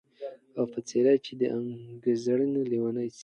او په څېر چي د اوزګړي لېونی سي